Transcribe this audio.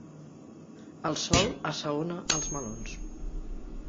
El sol assaona els melons.